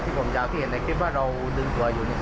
ผมยาวที่เห็นในคลิปว่าเราดึงตัวอยู่